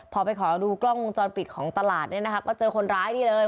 พอไปขอดูกล้องวงจรปิดของตลาดเนี่ยนะคะก็เจอคนร้ายนี่เลย